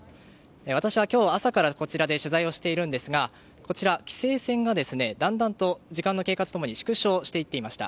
私は今日朝からこちらで取材をしているんですが規制線がだんだんと時間の経過と共に縮小していました。